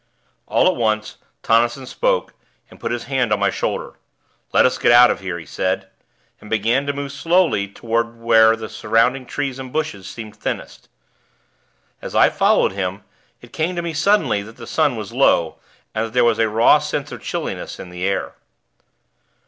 All at once, Tonnison spoke, and put his hand on my shoulder. "Let us get out of here," he said, and began to move slowly toward where the surrounding trees and bushes seemed thinnest. As I followed him, it came to me suddenly that the sun was low, and that there was a raw sense of chilliness in the air.